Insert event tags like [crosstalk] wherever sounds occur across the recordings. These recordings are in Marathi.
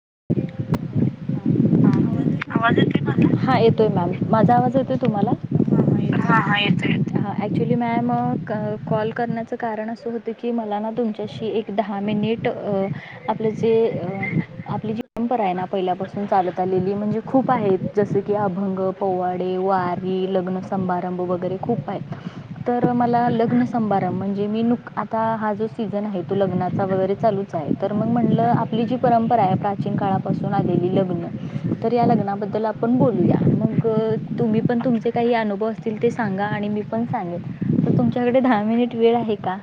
[unintelligible] येत हा येतोय मॅम माझा आवाज [unintelligible] तुम्हाला हा हा येत हां ॲक्च्युली मॅम क कॉल करण्याचं कारण असं होतं की मला ना तुमच्याशी एक दहा मिनिट आपलं जे आपली जी परंपरा आहे ना पहिल्यापासून चालत आलेली म्हणजे खूप आहे जसे की अभंग पोवाडे, वारी, लग्नसमारंभ वगैरे खूप आहेत. तर अ मला लग्न स संभारंभ म्हणजे मी नुक आता हा जो सीझन आहे तो लग्नाचा वगैरे चालूच आहे, तर मग म्हटलं आपली जी परंपरा आहे प्राचीन काळापासून आलेली लग्न तर या लग्नाबद्दल आपण बोलूया मग अ तुम्ही पण तुमचे काही अनु सतील ते सांगा आणि मी पण सांगेन तर तुमच्याकडे दहा मिनिट वेळ आहे का?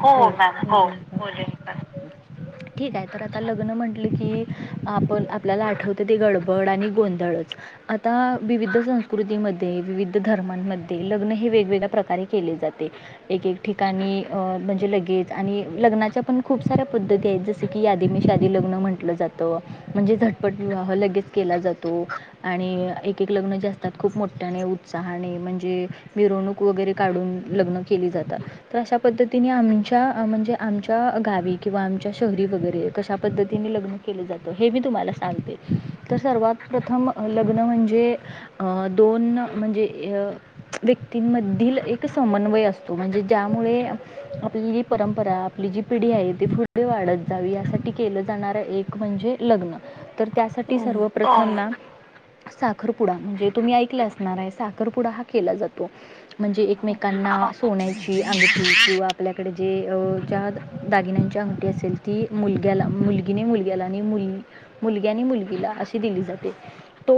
हो मॅम हो [inaudible] ठीक आहे तर आता लग्न म्हण ल की आपण आ मला आठवतंय ते गडबड आणि गोंधळच. आता विविध संस् कृतीमध्ये विविध धर्मांमध्ये लग्न हे वेगवेगळ्या प्रक कारे केले जाते. एक एक ठिकाणी अ म्हणजे लगेच आणि लग्नाचं पण खूप साऱ्या पद्धती आहेत. जसे की या श यादी लग्न म्हटलं जात म्हणजे झ पट ह लगेच केला जातो, आणि एक एक लग्न जे असतात खूप मोठ्याने उत्साहाने म्हणजे मिरवणूक वगैरे काढून लग्नं केली जातात. तर अशा पद्धतीने आमच्या म्हणजे आमच्या गावी किंवा आमच्या शहरी वगैरे कशा पद्धतीने लग्न केलं जातं हे मी तुम्हाला सा ते तर सर्वात प्रथम लग्न म्हणजे अ दोन म्हणजे हे अ व्यक्तींमधील एक समन्वय असतो म्हणजे त्यामुळे आपली परंपरा आपली जी पिढी आहे ती पुढे वाढत जावी यासाठी केलं जाणारं एक म्हणजे लग्न. तर त्यासाठी सर्वप्रथम ना [inaudible] सा खरपुडा म्हणजे तुम्ही ऐकलं असणार आहे सा साखरपुडा हा केला जातो. म्हणजे एकमेकांना सोन्याची अंगठी किंवा आपल्याकडे जे अ ज्या दागिन्यांची अंगठी असेल ती, मुलग्याला मुलगीने मुलग्याला आणि मुल मुलग्यानी मुलगीला अशी दिली जात तो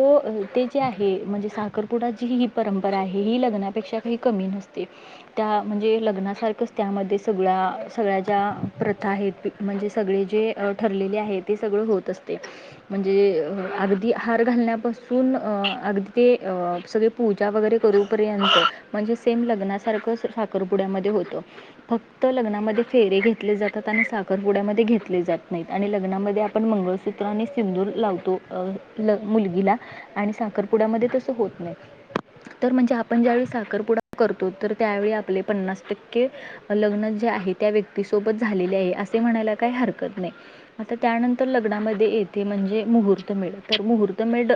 ते जे आहे म्हणजे साखर. पुढा जी ही परंपरा. आहे ही लग्नापेक्षा का कमी नसते त्या म्हणजे लग्नासारख. त्यामध्ये सगळ्या सगळ्याच्या्या प्रथा आहेत. म्हणजे सगळे जे ठरलेली आहे ते सगळं होत असत. [inaudible] म्हणजे. हार घालण्या. सून अ अगदी ते अ सगळे पूजा वगैरे करूपर्यंत म्हणजे सेम लग्नासारखं साखरपुड्यामध्ये होतं फक्त लग्नामध्ये फेरे घेतले जातात आणि साखरपुड्यामध्ये घेतले जातात. नाही आणि लग्नामध्ये आपण मंगळ. सूत्राने सिंदूर लावतो मुलगीला आणि साखरपुडामध्ये तस होत नाही. तर म्हणजे आपण ज्यावेळीस करतो तर त्यावेळी आपले पन्नास टक्के लग्न जे आहे त्या व्यक्तीसोबत झालेले आहे असे म्हणायला काही हरकत नाही. आता त्यानंतर लग म येते म्हणजे मुहूर्तमेढ तर मुहूर्तमेढ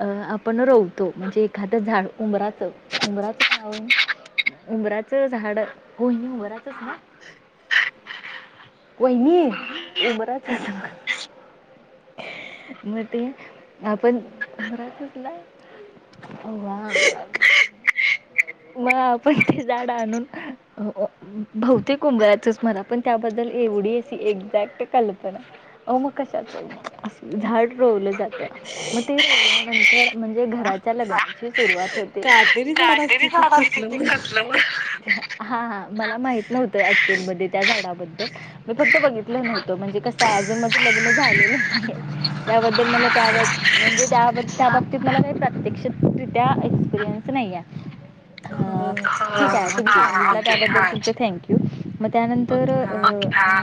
आपण रोवतो म्हणजे एखादं झाड उमराचं उबराच ख उबराचं झाड वहिनी उमराचच ना वाहिनी उमराच [inaudible] पण. [unintelligible] ओ वा. म आपण ते झाड आणून बहुतेक उंबराचच म्हणा पण त्याबद्दल एवढी अशी एक्झॅक्ट कल्पना अहो मग कशाचं झाड रोवलं जातं मग ते रोवल्यानंतर म्हणजे घराच्या लग्नाची सुरुवात होते काटेरी झाड असते ते कसलं म्ह हा हा मला माहित नव्हतं ऍक्चुअल मध्ये त्या झाडाबद्दल मी फक्त बघितलं नव्हतं म्हणजे कसं तेव्हा माझं लग्न झालेलं त्याबद्दल मला त्या म्हणजे त्या बद त्या बाबतीत मला काही प्रत्यक्षात रित्या एक्सपिरियन्स नाही आहे. ह ठीक आहे तुम्ही सांगितलं त्याबद्दल तुमचं थँक्यू. [inaudible] मग त्यानंतर अ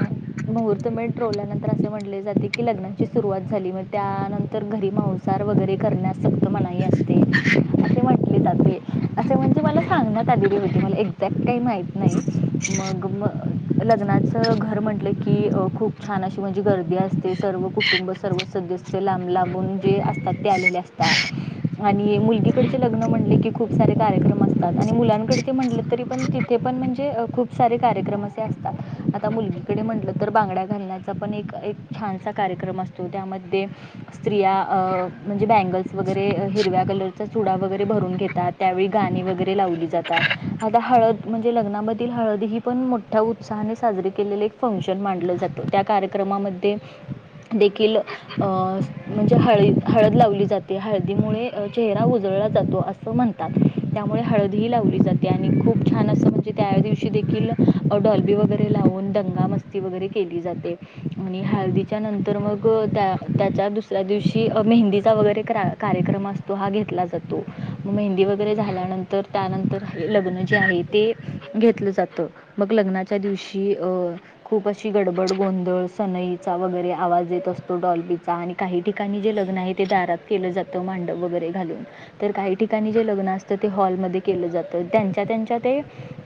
मुहूर्त मेढ रोवल्या नंतर असे म्हटले जाते की लग्नाची सुरुवात झाली मग त्यानंतर घरी मांसाहार वगैरे करण्यास सक्त मनाई असते असे म्हटले जाते असे म्हणजे मला सांगण्यात आलेली होती मला एक्झॅक्ट काही माहित नाही मग म लग्नाचं घर म्हटलं की खूप छान अशी म्हजे गर दि असते सर्व कुटुंब सर्व सदस्य लांब लांबून जे असतात ते आलेले असतात. आणि मुलगीकड लग्न म्हणले की खूप सारे कार्यक्रम असतात आणि मुलां तरी ते म्हणलं तरी पण ते पण म्हणजे खूप सारे कार्यक्रम असे असतात. आता मुलगी कडे म्हटलं तर बांगड्या घालण्या चा पण एक छानसा कार्यक्रम असतो त्यामध्ये स्त्रिया अ म्हणजे बँगल्स वगैरे हिरव्या कलरचा चुडा वगैरे भरून घेतात. त्यावेळी गाणी वगैरे लावली जातात आता हळद म्हणजे, लग्नामधील हळद ही पण मोठ्या उत्साहाने साजरी केलेले एक फंक्शन मांडलं जातं. त्या कार्यक्रमामध्ये देखील अ म्हणजे हळी हळद लावली जाते हळदीमुळे चेहरा उजळला जातो. असं म्हणतात त्यामुळे हळदही लावली जाते आणि खूप छान असं म्हणजे त्या दिवशी देखील डॉलबी वगैरे लावून दंग गा मस्ती वगैरे केली जाते. आणि हळदीच्या नंतर मग त्या त्याच्या दुसऱ्या दिवशी मेहंदीचा वगैरे कार्य कार्यक्रम असतो. हा घेतला जातो. मग मेहंदी वगैरे झाल्यानंतर त्यानंतर लग्न जे आहे ते घेतलं जात मग लग्नाच्या दिवशी अं खूप अशी गडबड गोंधळ सनईचा वगैरे, आवाज येत असतो. डॉल्बीचा आणि काही ठिकाणी जे लग्न आहे, ते दारात केलं जातं. मांडव वगैरे घालून तर काही ठिकाणी जे लग्न असतं ते हॉलमध्ये केलं जातं त्यांच्या त्यांच्या ते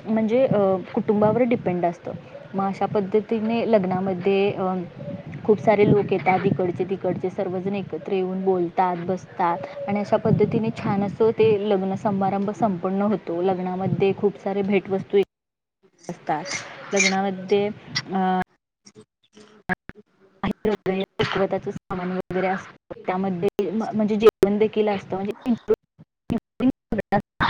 म्हणजे कुटुंबावर डिपेंड असतं मग अशा पद्धतीने लग्ना मध्येे अ खूप सारे लोक येतात तिकड चे तीकडचे सर्वजण एकत्र येऊन बोलतात बसतात आणि अशा पद्धतीने छान असं ते लग्न समारंभ संपन्न होतो लग्नामध्ये खूप सारे भेटवस्तू येत असतात लग्नामध् ते अ सामान वगैरे अस त्यामध्ये म्हणजे जेवण देखील असतं म्हणजेरं आ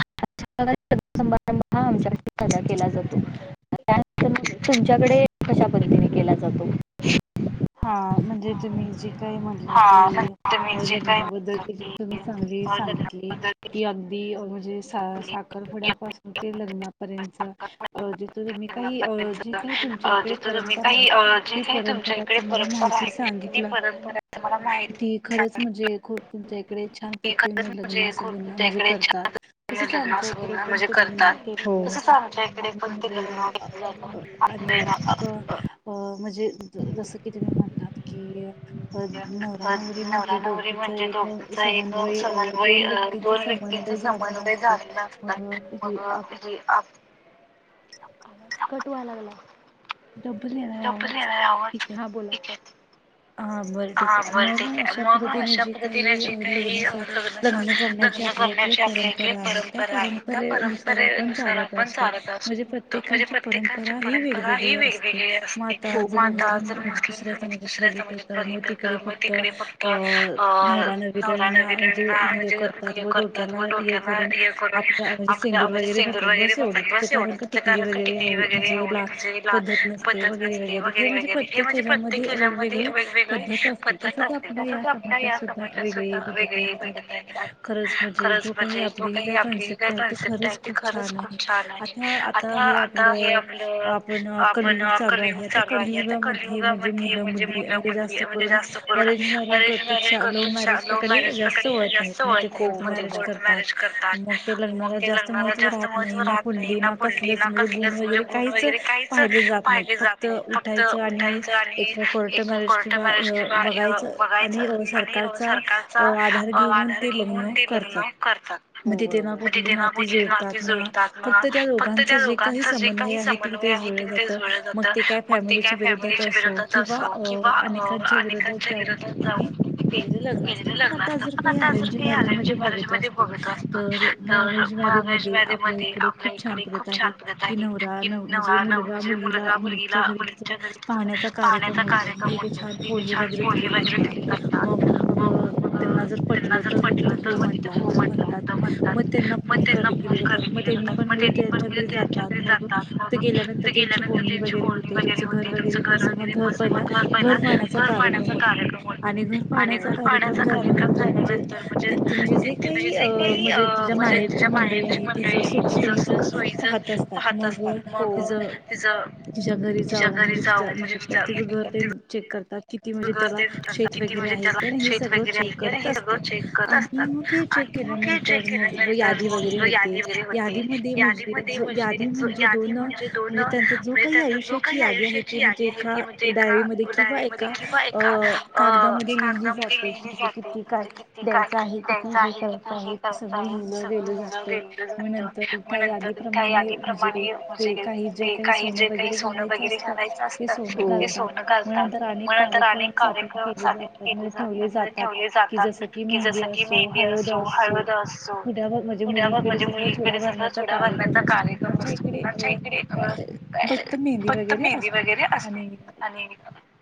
सा केला जातो त्या तुमच्याकडे कशा पद्धतीने केला जातो. हा म्हणजे तुम्ही जे काय म्हटलं की लग्नाबद्दल तुम्ही चांगली सांगितली की अगदी साखरखुड्या पाासून ते लग्नापर्यंत जिथ तुम्ही काही जी काही तुमच्या इकडे परंपरा आहे. ती परंपरा मला माहिती सांगितलं की खरंच म्हणजे खूप तुमच्या इकडे छान प्रतीमने लग्न असं म्हणजे करतात. तसच आमच्या इकडे पण ते लग्न केलं जात आ्हीज आणि अ म्हणजे, स किती म्हणत कि अ नवरा नवरी म्हणजे दोघांचा एक समन्वय अ दोन व्यक्तींचा समन्वय झालेला असतात मग ह कट लागला [unintelligible] [unintelligible] हा बरं ठीक आहे मग अशा पद्धतीने जे काही लग्न स लग्न करण्याची आपल्या परंपरा आहे त्या परंपरेनुसार आपण चालत असतो म्हणजे प्रत्येकांची परंपरा ही वेगवेगळी असते मग आता जर मुस्लिम दुसऱ्या समाजात. दुऱ्या सजात मग तिकडे फक्त अ नवरा नवीरना म्हणजे करतात व डोक्याना करून आपल्या म्हणजे सेंदूर वगैरे होतात क बस एवढत कारण टिकली वगैरेव म्हणजे ला पद्धत नसते वगैरे वगैरे हे म्हणजे प्रत्येक त्याच्यामध्ये वेगवेगळे पद्धत असते तसच आपल्या या समाजात सुद्धा वेग पद्धत आहे खरंच म्हणजे जो काही आपली काही कन्सेप्ट आहे ते खरंच खूप छान आहे आता आता हे आपलं आपण कलियुग चालू आहे आता कलियुगामध्ये े मु मु म्हणजे जास्त कररें मरे करत लव्ह मॅरेजकडे जास्ग कोर्ट मॅरेज करतात मग ते लग्ना जास्त महव राहत नाही ना फडली ना कसच म्हणजे गुण वगैरे काहीच पाहिले जात नाही फक्त उठायचं कोर्ट मॅरेज किंवा बघायचं आणि सरकारचा आधार घेऊन ते लग्न करतात तिथे ना कुठली माती जुडतात म फक्त त्या लोघांच जे काही समन्वय आहे तेिथे जुडलं जातं मग ते काय फॅमिलीच्या विरोधात असो किंवा अ अनेक जगिरात जाऊन केलेलं लग्न असतं पण आता जर काही आरजी महाराज मध्ये बघतो असतो तर मगज म मध्ये आपल्या इकडे खूप छान पद्धत आहे की नव न म्हणजे मुलगा मुलगीला मुलीच्या घरी गथे छान पोहे वगैरे दिले जातात मग मग त्यांना जर पटलं तर मग तिथे हो म्हणला म्हणतात मग त्यांना फोन केले जातात मग त्यांनी पण म्हणजे त्यांच्या घरी जातात मगथ गेल्यानंतर त्यांची बोलणी वगैरे होते तुमचं घर वगैरे पस पहिला घर पाहण्याचा कार्यक्रम होतो आणि घर पाहण्याचा कार्यक्रम झाल्यानंतर म्हणजे तिथे म्हणजे जे काही अ म्हणजे तिच्या्या माहेरची मंडळी आहे तिचं सुखसोयीच पाहत असतात मग तिजं तिच्या घरी जाऊन म्हणजे ति म्हणजे तिझं घर तेन चेक करता किती म्हणजे त्याला शेत वगैरे आहे कि हे सगळं चेक करत असतात आणि मग हे चेक केल्यानंतर मग यादी वगैरे होते यादीमध्ये म्हणजे जो यादी म्हणजे दोन म्हणजे त्यांचा जो काही आयुष्याची यादी आहे ते म्हणजे एका डारी म किंवा किंवा एका अ कागदामध्ये लिहिली जाते म्हणजे किती काही द्यायचं आहे किती हे करायचं आहे सगळ मुलं गेलं जातं मग नंतर त्या यादीप्रमाणे म्हणजे काही जे काही सोनं वगैरे घालायच असतं ते सोन गलत ग नंतर अनेक कार्यक्रम साज केले जातात म्हज ठेवले जातात की जस की मेहंदी असो हळद असो उड्यावर म्हणजे मुलीकडे जस चूडा बांधण्याचा कार्यक्रम असतो आच्या इकडे फक्त मेहंदी वगैरे असते आणि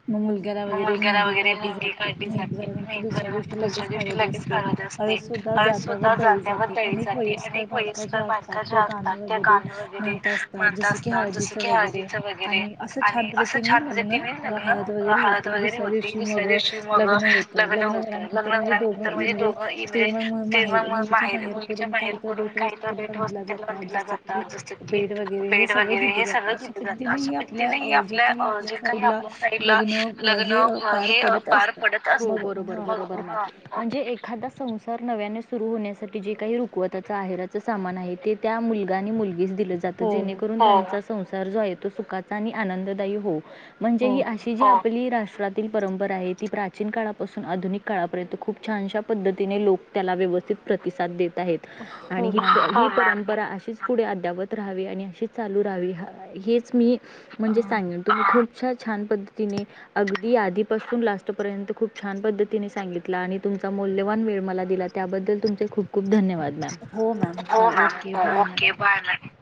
मग मुलग्याला वगैरे मेहंदी काढली जाते मेहंदी झाल्यानंतर दुसऱ्या दिवशी लगेच हळद असते हळद सुद्धा जात्या व दळी जाते अनेक वयस्कर बालका ज्या असतात त्या गाणं वगैरे म्हणत असतात जस की हळदीचं वगैरे आणि असं छान पद्धतीने लग्न झाल हळद वगैरे होती दुसऱ्या दिवशी मग लग्न होतं लग्न झाल्यानंतर म्हणजे दोघं म्हणजे ते मग माहेर मुलगीच्या बाहेरकडून काहीत भेट वस्तूला दिला जातात जस की बेड वगैरे हे सगळं दिलं जातं अशा पधतीने ह आपल्या जे ला ला लग्न ही पार पडत असतात हो बरोबर, बरोबर ना म्हणजे एखादा संसार नव्याने सुरू होण्या ठी जे काही रुकवत आहेर सामान आहे ते त्या मुलगा आणि मुल ज ज संसार जो आहे तो सुखाचा आणि आनंददायी हो म्हणजे हा आपली राष्ट्रातील परंपरा आहे ती प्राचीन काळापासून आधुनिक काळापर्यंत खूप छानशा पद्धतीने लोक त्याला व्यवस्थित प्रतिसाद देत आणि ही परंपरा अशीच पुढे अद्यापत राहावी आणि अशीच चालू राहावी हेच मी म्हणजे सांगन तु ख शछ छान पद्धती तने अगदी आधीपासून लात र्यंत खूप छान पद्धतीने सांगितला आणि तुमचा मौल्यवान वेळ मला दिला त्याबद्दल तुमचे खूप खूप धन्यवा हो मॅम हो ओके बाय बाय